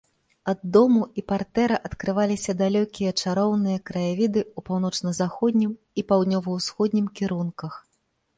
Ад дому і партэра адкрываліся далёкія чароўныя краявіды ў паўночна-заходнім і паўднёва-усходнім кірунках.